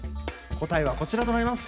答えはこちらとなります。